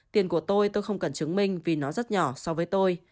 tiền của tôi tôi không cần chứng minh vì nó rất nhỏ so với tôi